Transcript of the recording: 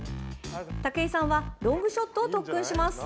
武井さんはロングショットを特訓します。